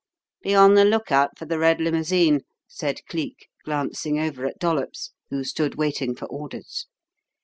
"Be on the lookout for the red limousine," said Cleek, glancing over at Dollops, who stood waiting for orders.